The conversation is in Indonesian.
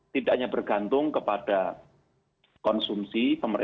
tidak hanya bergantung kepada konsumsi